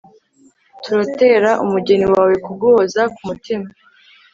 turatera umugeni wawe kuguhoza ku mutima